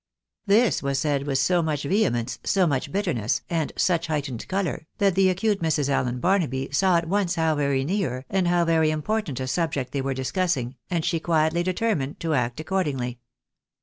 This was said with so much vehemence, so much bitterness, and such heightened colour, that the acute Mrs. AUen Barnaby saw at once how very near, and how very important a subject they were discussing, and she quietly determined to act accordingly.